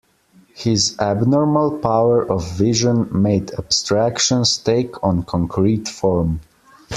His abnormal power of vision made abstractions take on concrete form.